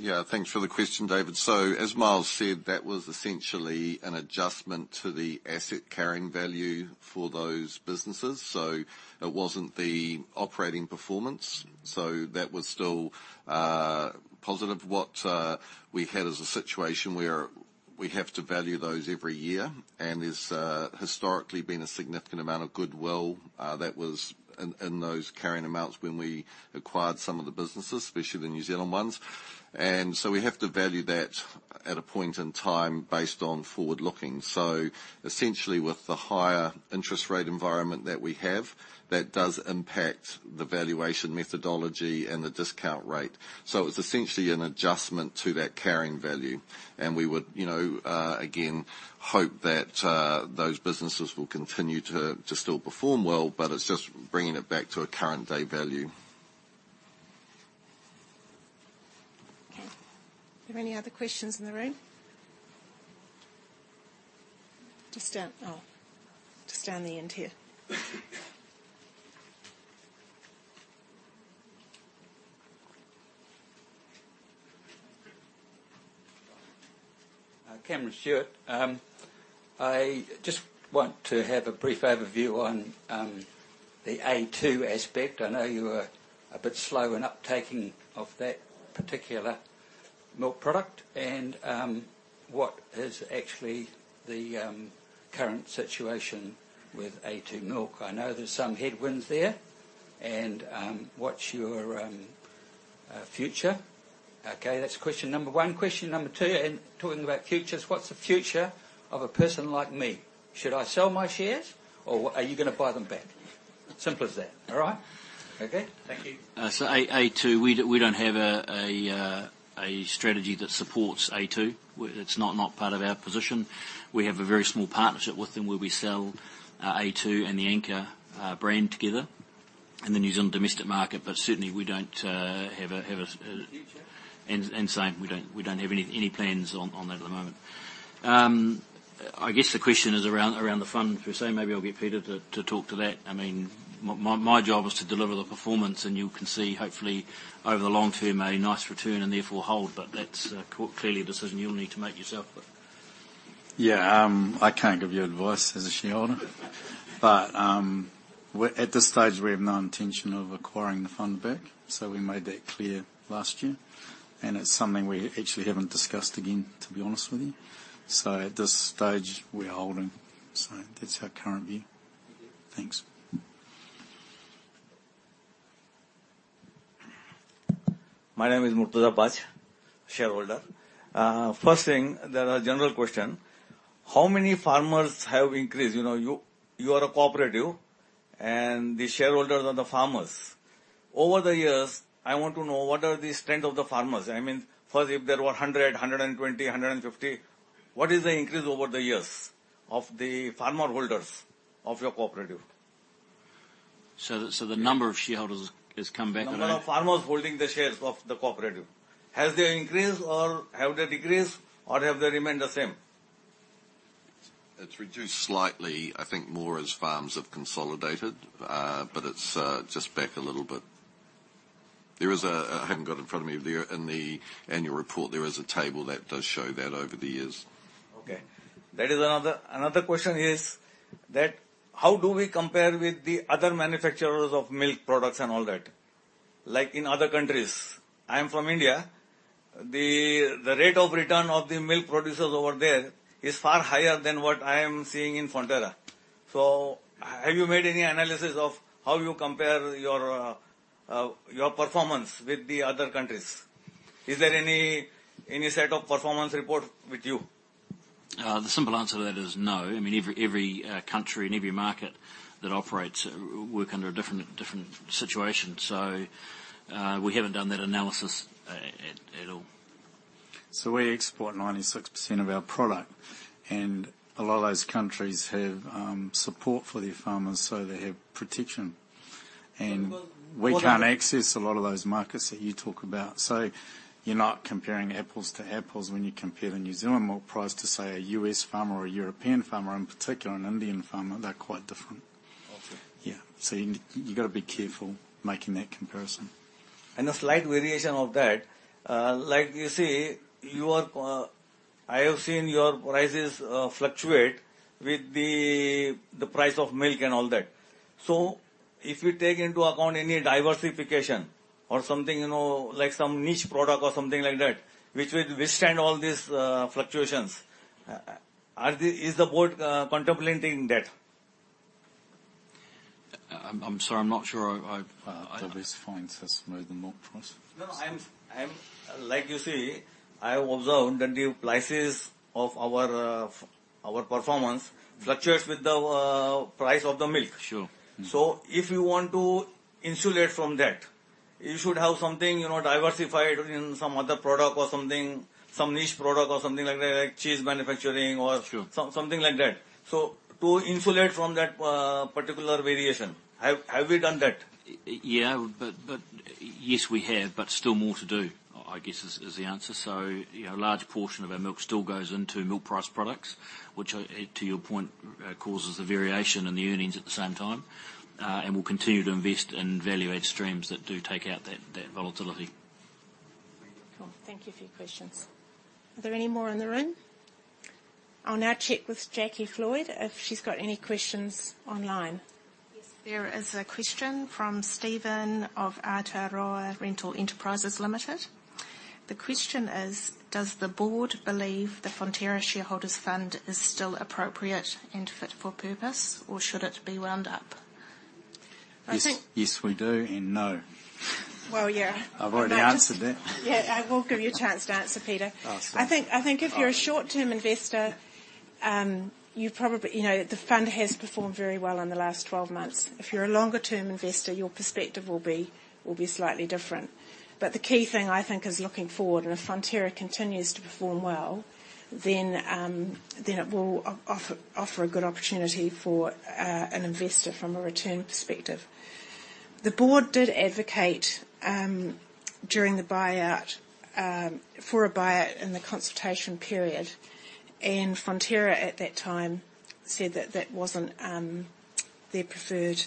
Yeah, thanks for the question, David. So, as Miles said, that was essentially an adjustment to the asset carrying value for those businesses, so it wasn't the operating performance. So that was still positive. What we had is a situation where we have to value those every year, and there's historically been a significant amount of goodwill that was in those carrying amounts when we acquired some of the businesses, especially the New Zealand ones. And so we have to value that at a point in time based on forward looking. So essentially, with the higher interest rate environment that we have, that does impact the valuation methodology and the discount rate. So it was essentially an adjustment to that carrying value, and we would, you know, again, hope that those businesses will continue to still perform well, but it's just bringing it back to a current day value. Okay. Are there any other questions in the room? Just down... Oh, just down the end here. Cameron Stewart. I just want to have a brief overview on the A2 aspect. I know you were a bit slow in uptaking of that particular milk product, and what is actually the current situation with A2 milk? I know there's some headwinds there, and what's your future? Okay, that's question number one. Question number two, and talking about futures, what's the future of a person like me? Should I sell my shares, or are you gonna buy them back? Simple as that, all right? Okay. Thank you. So A2, we don't have a strategy that supports A2. It's not part of our position. We have a very small partnership with them, where we sell A2 and the Anchor brand together in the New Zealand domestic market, but certainly we don't have a have a. In the future? Same, we don't have any plans on that at the moment. I guess the question is around the fund per se. Maybe I'll get Peter to talk to that. I mean, my job is to deliver the performance, and you can see, hopefully, over the long term, a nice return and therefore hold, but that's clearly a decision you'll need to make yourself, but- Yeah, I can't give you advice as a shareholder. But we're at this stage, we have no intention of acquiring the fund back, so we made that clear last year, and it's something we actually haven't discussed again, to be honest with you. So at this stage, we're holding. So that's our current view. Thanks. My name is Murtaza Baig, shareholder. First thing, there are general question: How many farmers have increased? You know, you, you are a cooperative, and the shareholders are the farmers. Over the years, I want to know, what are the strength of the farmers? I mean, first, if there were 100; 120; 150, what is the increase over the years of the farmer holders of your cooperative? So the number of shareholders has come back down? The number of farmers holding the shares of the cooperative. Has they increased, or have they decreased, or have they remained the same? It's reduced slightly, I think more as farms have consolidated. But it's just back a little bit. There is a, I haven't got it in front of me, there in the annual report, there is a table that does show that over the years. Okay. That is another. Another question is that how do we compare with the other manufacturers of milk products and all that, like in other countries? I am from India. The rate of return of the milk producers over there is far higher than what I am seeing in Fonterra. So have you made any analysis of how you compare your performance with the other countries? Is there any set of performance report with you? The simple answer to that is no. I mean, every country and every market that operates work under a different situation. So, we haven't done that analysis at all. We export 96% of our product, and a lot of those countries have support for their farmers, so they have protection. Well, well- We can't access a lot of those markets that you talk about. You're not comparing apples to apples when you compare the New Zealand milk price to, say, an US farmer or a European farmer, in particular, an Indian farmer. They're quite different. Okay. Yeah. So you gotta be careful making that comparison. A slight variation of that, like you say, you are, I have seen your prices fluctuate with the price of milk and all that. So if you take into account any diversification or something, you know, like some niche product or something like that, which will withstand all these fluctuations, is the board contemplating that? I'm sorry. I'm not sure I've. That was fine. Says milk the milk price. No, I'm like you say, I observed that the prices of our performance fluctuates with the price of the milk. Sure. If you want to insulate from that, you should have something, you know, diversified in some other product or something, some niche product or something like that, like cheese manufacturing or- Sure... something like that. So to insulate from that, particular variation, have we done that? Yeah, but yes, we have, but still more to do. I guess is the answer. So, you know, a large portion of our milk still goes into milk price products, which, to your point, causes the variation in the earnings at the same time. And we'll continue to invest in value add streams that do take out that volatility. Cool. Thank you for your questions. Are there any more in the room? I'll now check with Jacqui Floyd if she's got any questions online. Yes, there is a question from Steven of Aotearoa Rental Enterprises Limited. The question is: Does the board believe the Fonterra Shareholders' Fund is still appropriate and fit for purpose, or should it be wound up? I think- Yes, yes, we do, and no. Well, yeah. I've already answered that. Yeah, I will give you a chance to answer, Peter. Ask. I think, I think if you're a short-term investor, you probably. You know, the fund has performed very well in the last 12 months. If you're a longer-term investor, your perspective will be slightly different. But the key thing, I think, is looking forward, and if Fonterra continues to perform well, then it will offer a good opportunity for an investor from a return perspective. The board did advocate during the buyout for a buyout in the consultation period, and Fonterra, at that time, said that that wasn't their preferred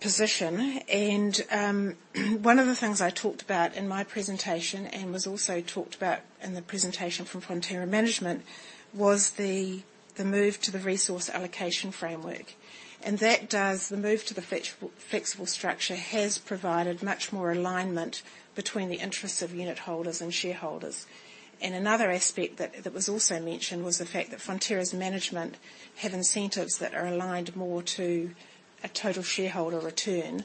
position. One of the things I talked about in my presentation, and was also talked about in the presentation from Fonterra management, was the move to the resource allocation framework. That does. The move to the flexible structure has provided much more alignment between the interests of unitholders and shareholders. Another aspect that was also mentioned was the fact that Fonterra's management have incentives that are aligned more to a total shareholder return,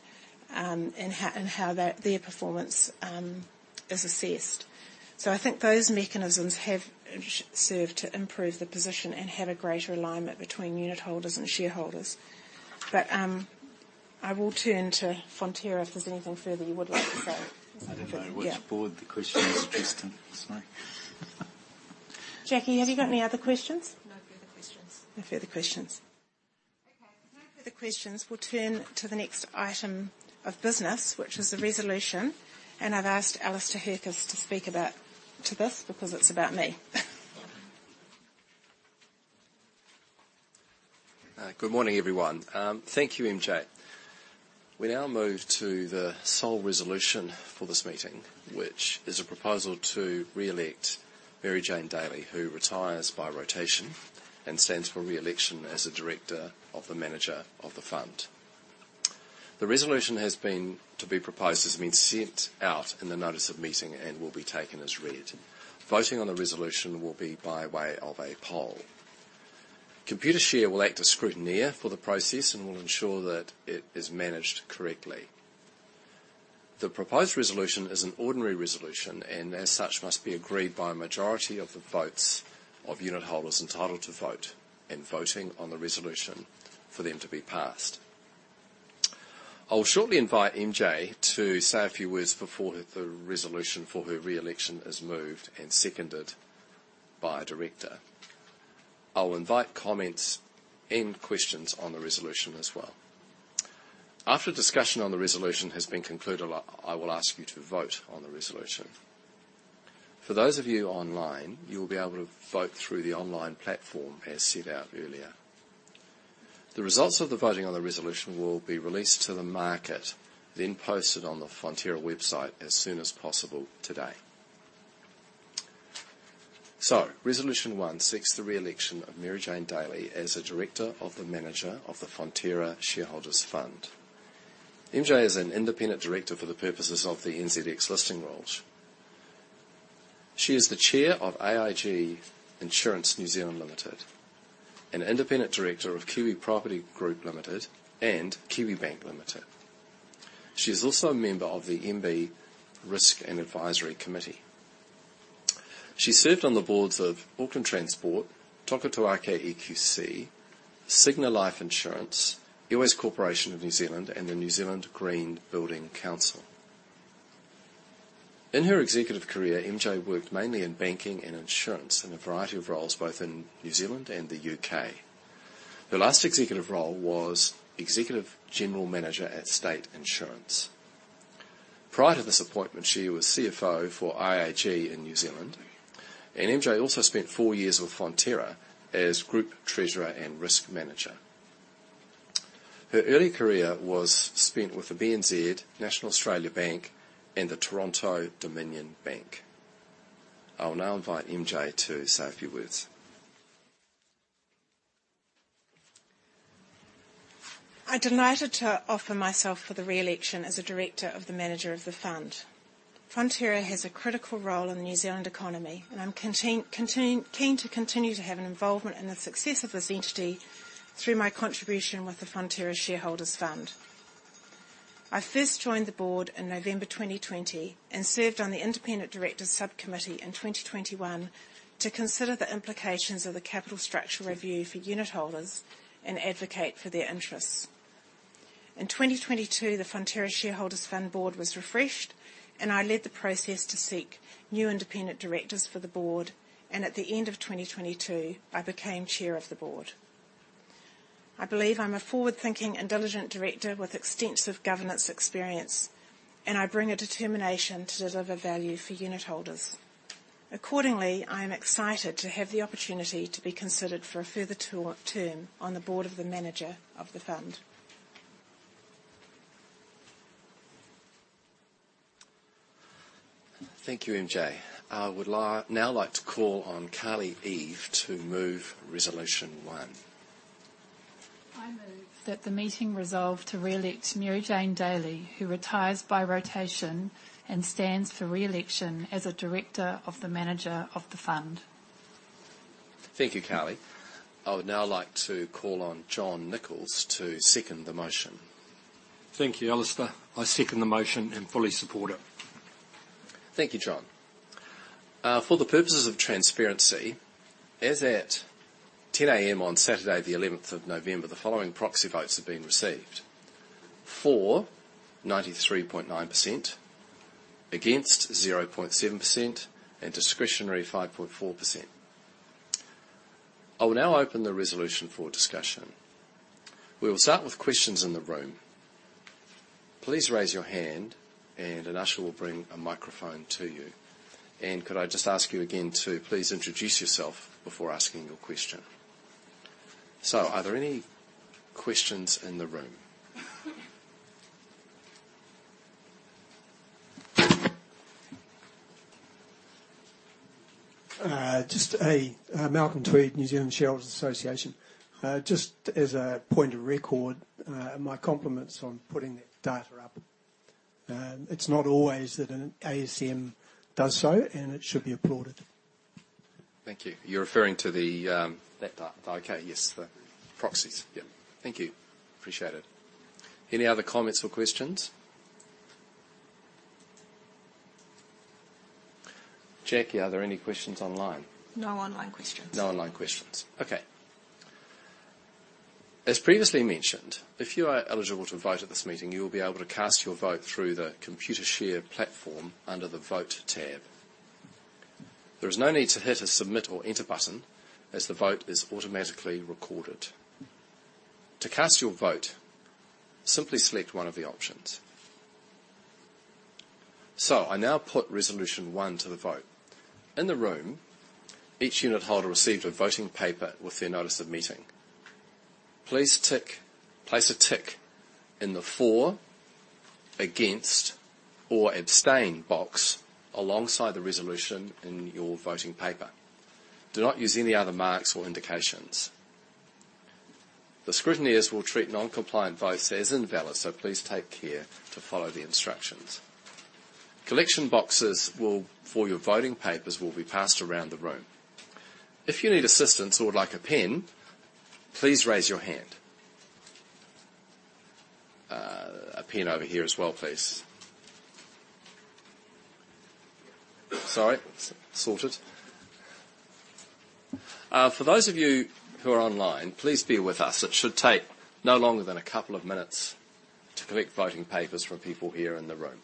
and how that their performance is assessed. I think those mechanisms have served to improve the position and have a greater alignment between unitholders and shareholders. But I will turn to Fonterra if there's anything further you would like to say. I don't know which board the question is addressed to. Sorry. Jackie, have you got any other questions? No further questions. No further questions. Okay, if no further questions, we'll turn to the next item of business, which is a resolution, and I've asked Alastair Hercus to speak about, to this because it's about me. Good morning, everyone. Thank you, MJ. We now move to the sole resolution for this meeting, which is a proposal to re-elect Mary-Jane Daly, who retires by rotation and stands for re-election as a director of the manager of the fund. The resolution has been, to be proposed, has been sent out in the notice of meeting and will be taken as read. Voting on the resolution will be by way of a poll. Computershare will act as scrutineer for the process and will ensure that it is managed correctly. The proposed resolution is an ordinary resolution, and as such, must be agreed by a majority of the votes of unitholders entitled to vote, and voting on the resolution for them to be passed. I'll shortly invite MJ to say a few words before the resolution for her re-election is moved and seconded by a director. I'll invite comments and questions on the resolution as well. After discussion on the resolution has been concluded, I will ask you to vote on the resolution. For those of you online, you will be able to vote through the online platform, as set out earlier. The results of the voting on the resolution will be released to the market, then posted on the Fonterra website as soon as possible today. So Resolution One seeks the re-election of Mary-Jane Daly as a director of the manager of the Fonterra Shareholders' Fund. MJ is an independent director for the purposes of the NZX Listing Rules. She is the Chair of AIG Insurance New Zealand Limited, an independent director of Kiwi Property Group Limited and Kiwibank Limited. She is also a member of the MBIE Risk and Advisory Committee. She served on the boards of Auckland Transport, Toka Tū Ake EQC, Cigna Life Insurance, Airways Corporation of New Zealand, and the New Zealand Green Building Council. In her executive career, MJ worked mainly in banking and insurance, in a variety of roles, both in New Zealand and the UK. Her last executive role was Executive General Manager at State Insurance. Prior to this appointment, she was CFO for IAG in New Zealand, and MJ also spent four years with Fonterra as Group Treasurer and Risk Manager. Her early career was spent with the BNZ, National Australia Bank, and the Toronto-Dominion Bank. I will now invite MJ to say a few words. I'm delighted to offer myself for the re-election as a director of the manager of the fund. Fonterra has a critical role in the New Zealand economy, and I'm keen to continue to have an involvement in the success of this entity through my contribution with the Fonterra Shareholders' Fund. I first joined the board in November 2020 and served on the Independent Directors Sub Committee in 2021 to consider the implications of the capital structure review for unitholders and advocate for their interests. In 2022, the Fonterra Shareholders' Fund board was refreshed, and I led the process to seek new independent directors for the board, and at the end of 2022, I became chair of the board. I believe I'm a forward-thinking and diligent director with extensive governance experience, and I bring a determination to deliver value for unitholders. Accordingly, I am excited to have the opportunity to be considered for a further term on the board of the manager of the fund. Thank you, MJ. I would now like to call on Carlie Eve to move Resolution One. I move that the meeting resolve to re-elect Mary-Jane Daly, who retires by rotation and stands for re-election as a director of the manager of the fund. Thank you, Carlie. I would now like to call on John Nicholls to second the motion. Thank you, Alastair. I second the motion and fully support it. Thank you, John. For the purposes of transparency, as at 10:00AM on Saturday, the eleventh of November, the following proxy votes have been received: For, 93.9%, Against, 0.7%, and Discretionary, 5.4%. I will now open the resolution for discussion. We will start with questions in the room. Please raise your hand, and an usher will bring a microphone to you. And could I just ask you again to please introduce yourself before asking your question? So are there any questions in the room? Malcolm Tweed, New Zealand Shareholders Association. Just as a point of record, my compliments on putting that data up. It's not always that an ASM does so, and it should be applauded. Thank you. You're referring to the, that part. Okay. Yes, the proxies. Yeah. Thank you. Appreciate it. Any other comments or questions? Jackie, are there any questions online? No online questions. No online questions. Okay. As previously mentioned, if you are eligible to vote at this meeting, you will be able to cast your vote through the Computershare platform under the Vote tab. There is no need to hit a submit or enter button, as the vote is automatically recorded. To cast your vote, simply select one of the options.... So I now put resolution one to the vote. In the room, each unitholder received a voting paper with their notice of meeting. Please tick, place a tick in the For, Against, or Abstain box alongside the resolution in your voting paper. Do not use any other marks or indications. The scrutineers will treat non-compliant votes as invalid, so please take care to follow the instructions. Collection boxes will, for your voting papers, will be passed around the room. If you need assistance or would like a pen, please raise your hand. A pen over here as well, please. Sorry, sorted. For those of you who are online, please bear with us. It should take no longer than a couple of minutes to collect voting papers from people here in the room.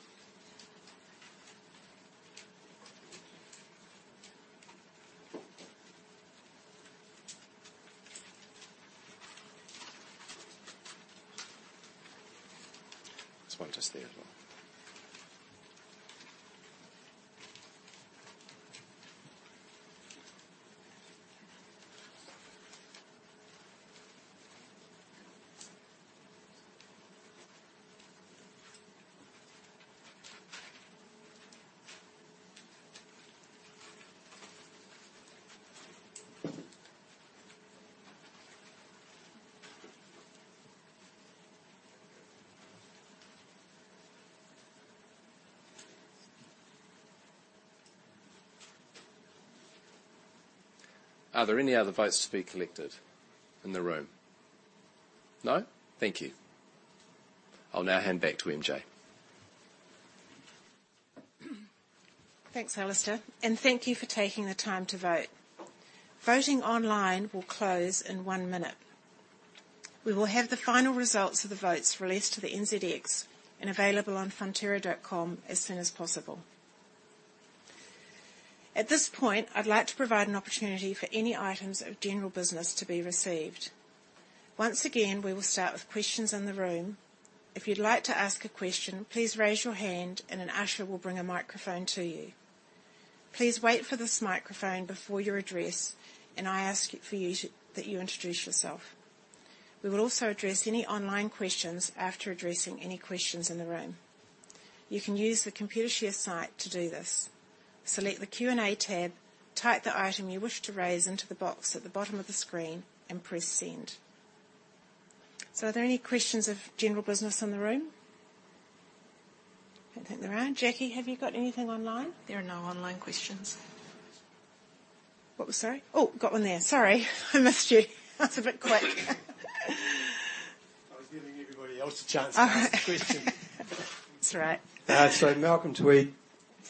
There's one just there as well. Are there any other votes to be collected in the room? No? Thank you. I'll now hand back to MJ. Thanks, Alastair, and thank you for taking the time to vote. Voting online will close in one minute. We will have the final results of the votes released to the NZX and available on fonterra.com as soon as possible. At this point, I'd like to provide an opportunity for any items of general business to be received. Once again, we will start with questions in the room. If you'd like to ask a question, please raise your hand, and an usher will bring a microphone to you. Please wait for this microphone before you're addressed, and I ask you, that you introduce yourself. We will also address any online questions after addressing any questions in the room. You can use the Computershare site to do this. Select the Q&A tab, type the item you wish to raise into the box at the bottom of the screen, and press Send. So are there any questions of general business in the room? I don't think there are. Jackie, have you got anything online? There are no online questions. What was, sorry? Oh, got one there. Sorry, I missed you. That's a bit quick. I was giving everybody else a chance to ask a question. That's right. So Malcolm Tweed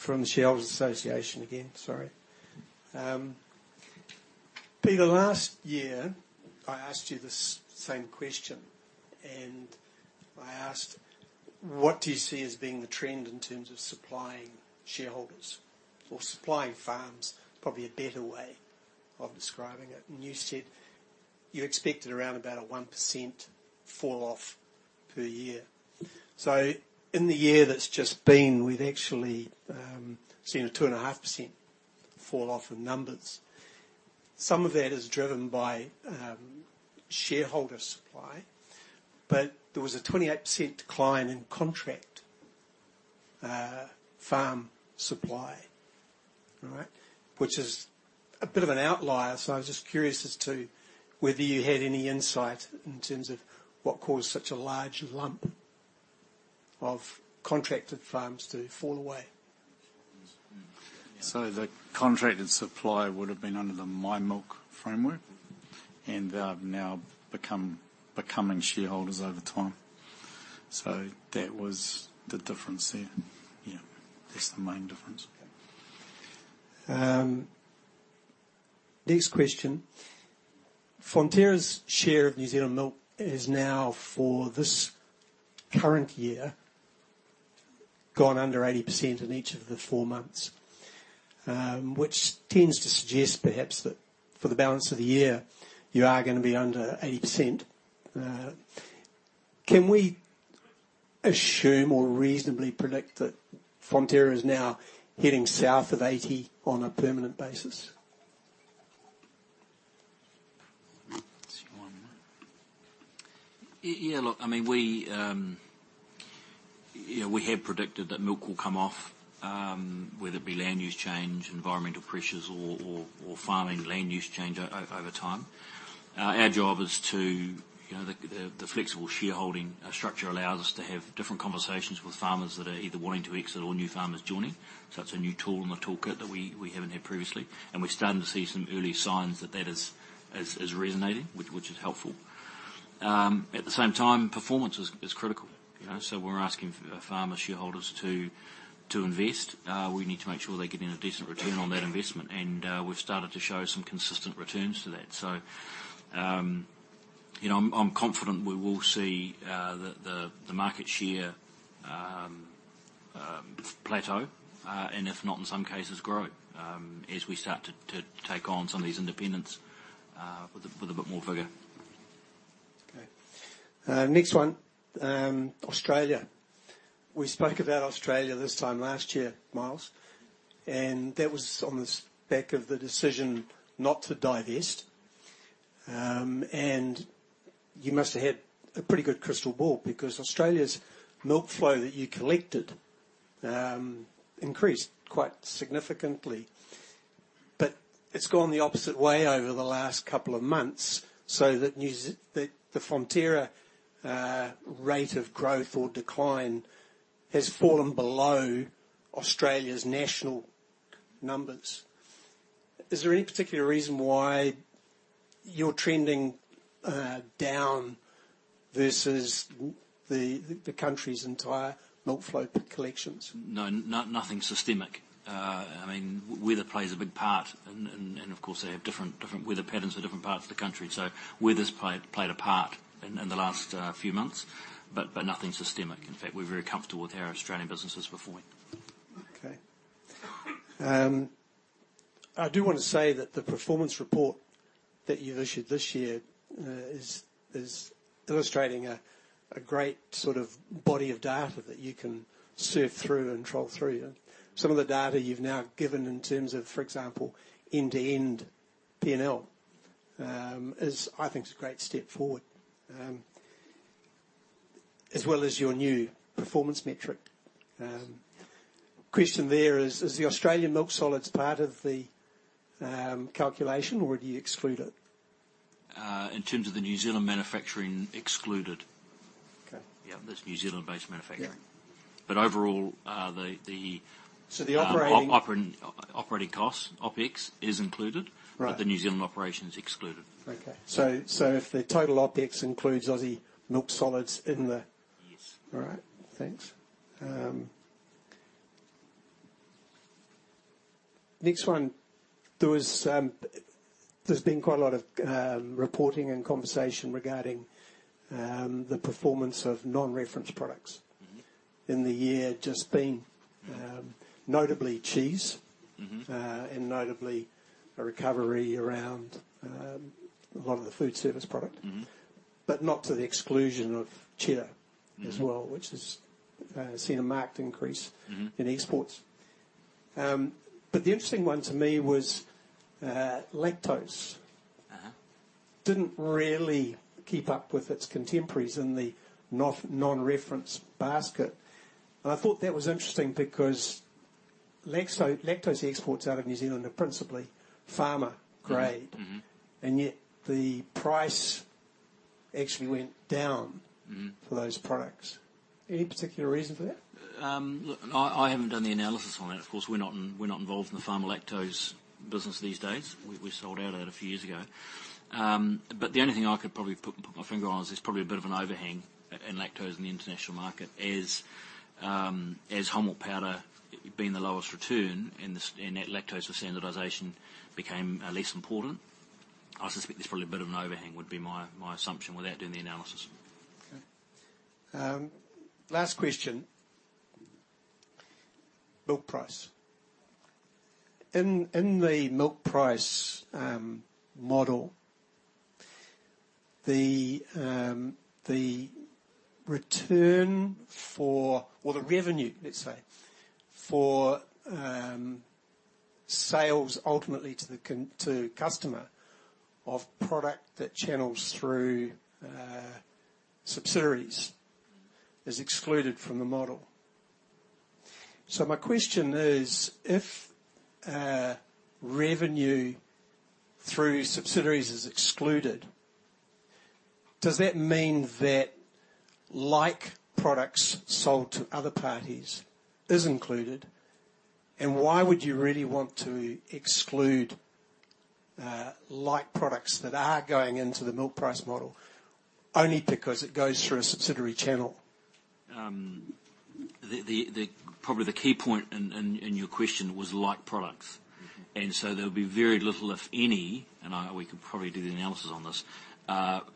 from the Shareholders Association again, sorry. Peter, last year, I asked you this same question, and I asked: What do you see as being the trend in terms of supplying shareholders or supplying farms? Probably a better way of describing it. And you said you expected around about a 1% falloff per year. So in the year that's just been, we've actually seen a 2.5% falloff in numbers. Some of that is driven by shareholder supply, but there was a 28% decline in contract farm supply. All right? Which is a bit of an outlier, so I was just curious as to whether you had any insight in terms of what caused such a large lump of contracted farms to fall away. The contracted supply would have been under the My Milk framework, and they have now become shareholders over time. That was the difference there. Yeah, that's the main difference. Next question. Fonterra's share of New Zealand milk is now, for this current year, gone under 80% in each of the four months, which tends to suggest perhaps that for the balance of the year, you are gonna be under 80%. Can we assume or reasonably predict that Fonterra is now heading south of 80 on a permanent basis? See one there. Yeah, look, I mean, we, you know, we have predicted that milk will come off, whether it be land use change, environmental pressures, or farming land use change over time. Our job is to, you know... The flexible shareholding structure allows us to have different conversations with farmers that are either wanting to exit or new farmers joining. So it's a new tool in the toolkit that we haven't had previously, and we're starting to see some early signs that that is resonating, which is helpful. At the same time, performance is critical, you know, so we're asking farmer shareholders to invest. We need to make sure they're getting a decent return on that investment, and we've started to show some consistent returns to that. So, you know, I'm confident we will see the market share plateau, and if not, in some cases, grow, as we start to take on some of these independents with a bit more vigor. Next one, Australia. We spoke about Australia this time last year, Miles, and that was on the back of the decision not to divest. And you must have had a pretty good crystal ball because Australia's milk flow that you collected increased quite significantly. But it's gone the opposite way over the last couple of months, so that New Zealand the Fonterra rate of growth or decline has fallen below Australia's national numbers. Is there any particular reason why you're trending down versus the country's entire milk flow collections? No, nothing systemic. I mean, weather plays a big part, and of course, they have different weather patterns in different parts of the country. So weather's played a part in the last few months, but nothing systemic. In fact, we're very comfortable with how our Australian business is performing. Okay. I do wanna say that the performance report that you've issued this year is illustrating a great sort of body of data that you can surf through and troll through. Some of the data you've now given in terms of, for example, end-to-end P&L, is, I think, a great step forward. As well as your new performance metric. Question there is, is the Australian milk solids part of the calculation, or do you exclude it? In terms of the New Zealand manufacturing, excluded. Okay. Yeah, that's New Zealand-based manufacturing. Yeah. But overall, So the operating- Operating costs, OpEx, is included. Right. But the New Zealand operation is excluded. Okay. So, if the total OpEx includes Aussie milk solids in there? Yes. All right, thanks. Next one. There's been quite a lot of reporting and conversation regarding the performance of non-reference products- Mm-hmm... in the year, just been, notably cheese. Mm-hmm. And notably, a recovery around a lot of the food service product. Mm-hmm. But not to the exclusion of cheddar- Mm-hmm... as well, which has seen a marked increase- Mm-hmm... in exports. But the interesting one to me was, lactose. Uh-huh. Didn't really keep up with its contemporaries in the non-reference basket. I thought that was interesting because lactose, lactose exports out of New Zealand are principally farmer grade. Mm-hmm. Yet the price actually went down- Mm-hmm... for those products. Any particular reason for that? Look, I haven't done the analysis on that. Of course, we're not involved in the pharma lactose business these days. We sold out of that a few years ago. But the only thing I could probably put my finger on is there's probably a bit of an overhang in lactose in the international market as whole milk powder being the lowest return, and that lactose for standardization became less important. I suspect there's probably a bit of an overhang, would be my assumption without doing the analysis. Okay. Last question: milk price. In the milk price model, the return for... or the revenue, let's say, for sales ultimately to the customer of product that channels through subsidiaries, is excluded from the model. So my question is: If revenue through subsidiaries is excluded, does that mean that like products sold to other parties is included? And why would you really want to exclude like products that are going into the milk price model, only because it goes through a subsidiary channel? Probably the key point in your question was like products. Mm-hmm. And so there'll be very little, if any. We could probably do the analysis on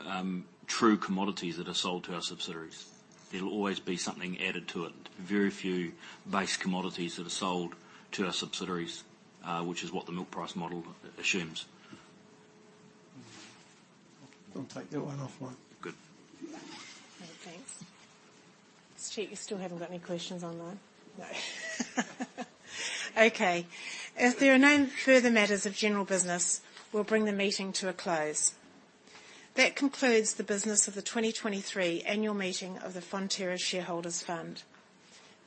this, true commodities that are sold to our subsidiaries. There'll always be something added to it. Very few base commodities that are sold to our subsidiaries, which is what the milk price model assumes. Mm-hmm. I'll take that one off mine. Good. Okay, thanks. Just check, you still haven't got any questions online? No. Okay. If there are no further matters of general business, we'll bring the meeting to a close. That concludes the business of the 2023 annual meeting of the Fonterra Shareholders' Fund.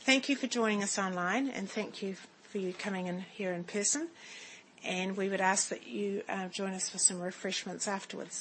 Thank you for joining us online, and thank you for, for you coming in here in person. And we would ask that you join us for some refreshments afterwards.